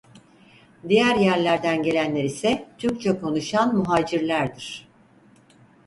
Diğer yerlerden gelenler ise Türkçe konuşan muhacirlerdir.